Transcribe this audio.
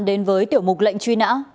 đến với tiểu mục lệnh truy nã